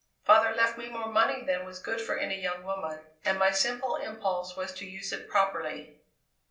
Father left me more money than was good for any young woman, and my simple impulse was to use it properly."